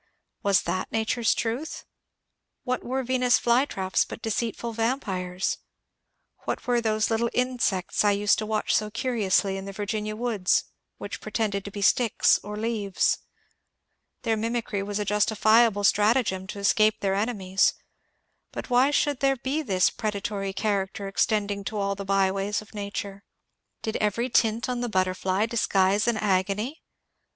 Was that nature's truth ? What were Venus' flytraps but deceitful vampires ? What were those little insects I used to watch so curiously in the Virginia woods, which pretended to be sticks or leaves ? Their mimicry was a justifiable strat agem to escape their enemies, but why should there be this predatory character extending to all the byways of nature ? Did every tint on the butterfly disguise an agony